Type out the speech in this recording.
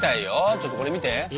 ちょっとこれ見て。